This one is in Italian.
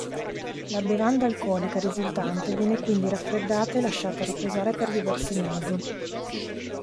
La bevanda alcolica risultante viene quindi raffreddata e lasciata riposare per diversi mesi.